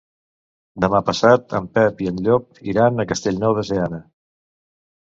Demà passat en Pep i en Llop iran a Castellnou de Seana.